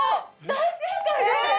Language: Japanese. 大正解ですえ！